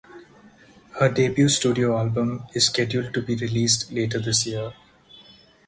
Her debut studio album is scheduled to be released later this year.